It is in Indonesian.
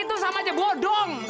itu sama aja bodong